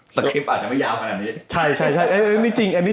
สคริปต์อาจจะไม่ยาวขนาดนี้